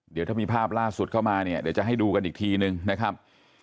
เดี๋ยวถ้ามีภาพล่าสุดเข้ามาเนี่ยเดี๋ยวจะให้ดูกันอีกทีนึงนะครับ